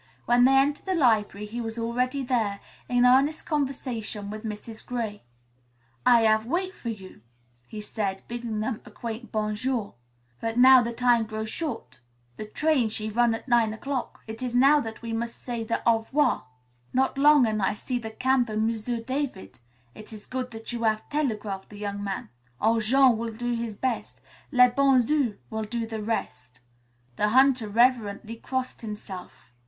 When they entered the library he was already there, in earnest conversation with Mrs. Gray. "I hav' wait for you," he said, after bidding them a quaint bon jour. "But now the time grow short. The train, she run at nine o'clock. It is now that we must say the au revoir. Not long an' I see the camp and M'sieu' David. It is good that you hav' telegraph the young man. Ol' Jean will do his best. Le bon Dieu will do the rest." The hunter reverently crossed himself.